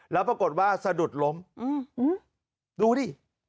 แล้วปรากฏว่าสะดุดล้มดูดิ